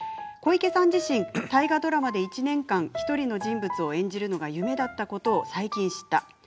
小池さん自身「大河ドラマで１年間、１人の人物を演じるのが夢だった」ことを最近知った。